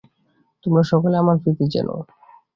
তোমরা সকলে আমার প্রীতি জেনো।